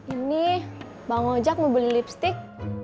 ini bang ojek mau beli lipstick